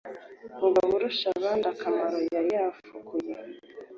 mugaburushabandakamaro yari yafukuye.